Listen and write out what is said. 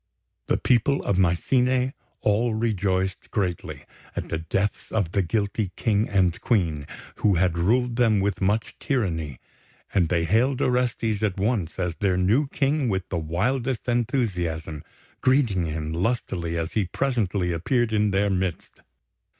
The people of Mycene all rejoiced greatly at the deaths of the guilty King and Queen, who had ruled them with much tyranny; and they hailed Orestes at once as their new King with the wildest enthusiasm, greeting him lustily as he presently appeared in their midst.